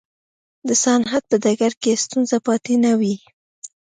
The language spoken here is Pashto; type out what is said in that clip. د صنعت په ډګر کې ستونزه پاتې نه وي.